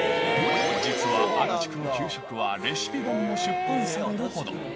実は足立区の給食はレシピ本も出版されるほど。